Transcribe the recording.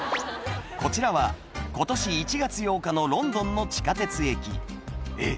こちらは今年１月８日のロンドンの地下鉄駅えっ